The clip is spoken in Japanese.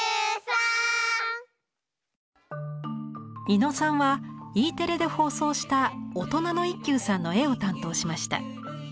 伊野さんはＥテレで放送した「オトナの一休さん」の絵を担当しました。